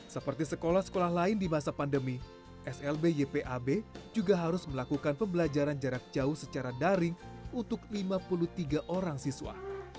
seperti sekolah sekolah lain di masa pandemi slb ypab juga harus melakukan pembelajaran jarak jauh secara daring untuk lima puluh tiga orang siswa